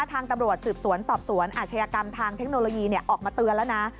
ทางตำรวจสืบสวนสอบสวนอาชญากรรมทางเทคโนโลยีออกมาเตือนแล้วนะ